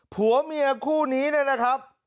ผัวเมียคู่นี้นะครับ